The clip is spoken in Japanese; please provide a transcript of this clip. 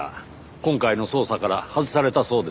今回の捜査から外されたそうですね。